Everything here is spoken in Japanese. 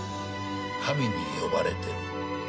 神に呼ばれてる。